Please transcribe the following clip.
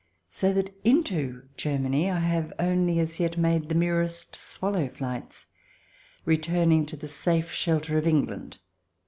So that into Germany I have only made as yet the merest swallow flights, returning to the safe shelter of England.